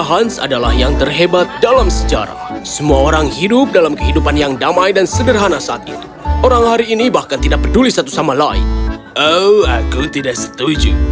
oh aku tidak setuju